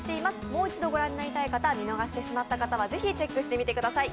もう一度ご覧になりたい方、見逃してしまった方はぜひチェックしてみてください。